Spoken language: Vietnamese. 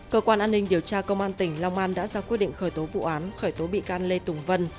cơ quan an ninh điều tra công an tỉnh long an đã ra quyết định khởi tố vụ án khởi tố bị can lê tùng vân